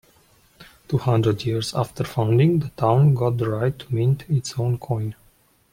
Two hundred years after founding, the town got the right to mint its own coin.